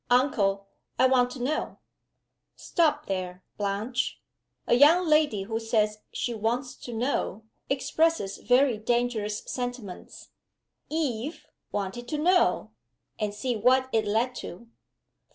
Uncle! I want to know " "Stop there, Blanche! A young lady who says she 'wants to know,' expresses very dangerous sentiments. Eve 'wanted to know' and see what it led to.